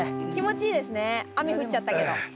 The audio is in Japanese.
気持ちいいですね雨降っちゃったけど。